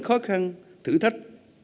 khó khăn thử thách